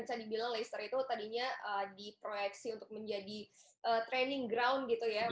bisa dibilang leicester itu tadinya diproyeksi untuk menjadi training ground gitu ya